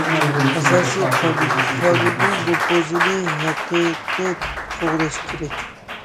ئاساسىي قانۇن، قانۇننىڭ نوپۇزىنى ھەقىقىي قوغداش كېرەك.